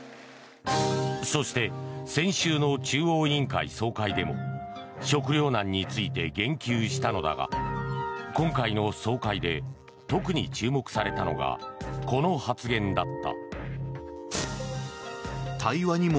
そして、先週の中央委員会総会でも食糧難について言及したのだが今回の総会で特に注目されたのがこの発言だった。